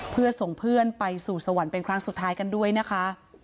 เพื่อส่งเพื่อนไปสู่สวรรค์เป็นครั้งสุดท้ายกันด้วยนะคะ